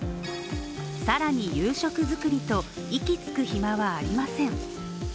更に夕食作りと息つく暇はありません。